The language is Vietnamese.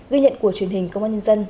ghi nhận của truyền hình công an nhân dân